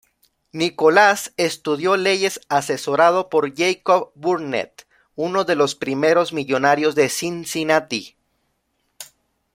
Nicholas estudió leyes asesorado por Jacob Burnet, uno de los primeros millonarios de Cincinnati.